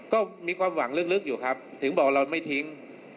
ก็มีความหวังลึกอยู่ครับถึงบอกว่าเราไม่ทิ้ง